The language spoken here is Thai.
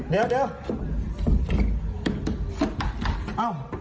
เดี๋ยวเดี๋ยว